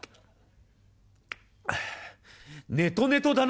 ああネトネトだな